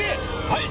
はい！